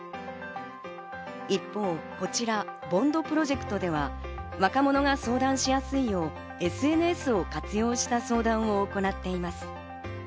一方、こちらＢＯＮＤプロジェクトでは若者が相談しやすいようＳＮＳを活用した相談を行っています。